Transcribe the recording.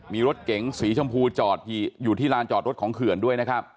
มีรถเก๋งสีชมพูจอดอยู่ที่ลานจอดรถของเขื่อนด้วยนะครับ